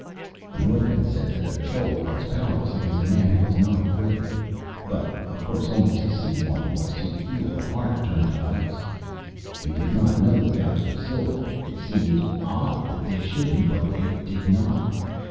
The northmen said that a troll was powerless against a man who was not afraid; but, of course, only to see one was to feel the heart turn to ice. They did not know the value of silver, it seemed odd that they shouldn't, but they did not.